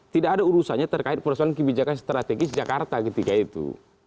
tidak ada urusannya terkait perusahaan kebijakan strategis jakarta ketika itu